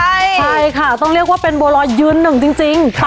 ใช่ใช่ค่ะต้องเรียกว่าเป็นบัวร้อยยืนหนึ่งจริงจริงครับ